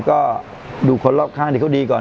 ก็ดูคนรอบข้างที่เขาดีก่อน